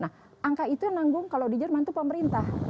nah angka itu yang nanggung kalau di jerman itu pemerintah